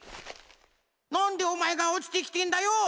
なんでおまえがおちてきてんだよ！